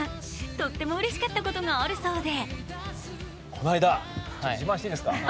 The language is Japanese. とってもうれしかったことがあるそうで。